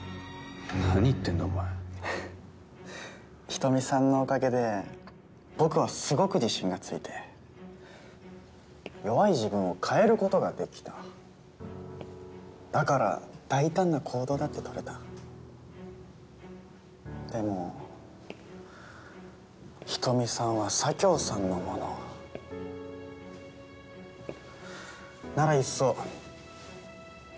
何言ってんだお前ふっ人見さんのおかげで僕はすごく自信がついて弱い自分を変えることができただから大胆な行動だって取れたでも人見さんは佐京さんのものならいっそ全部もらって潰し